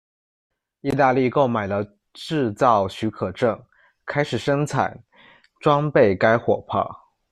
意大利购买了制造许可证，开始生产、装备该火炮。